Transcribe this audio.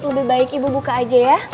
lebih baik ibu buka aja ya